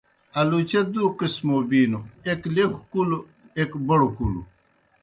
آلوچہ دُو قِسمو بِینوْ، ایک لیکھوْ کلُو، ایْک بڑوْ کُلوْ۔